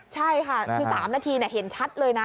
ใช่ค่ะคือ๓นาทีเห็นชัดเลยนะ